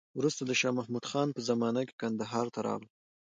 وروسته د شا محمود خان په زمانه کې کندهار ته راغله.